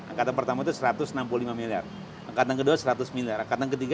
angkatan pertama itu satu ratus enam puluh lima miliar angkatan kedua seratus miliar angkatan ketiga